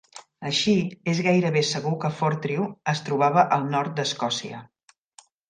Així, és gairebé segur que Fortriu es trobava al nord d'Escòcia.